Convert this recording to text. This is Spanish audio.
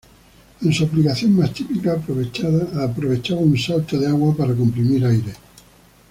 En su aplicación más típica aprovechaba un salto de agua para comprimir aire.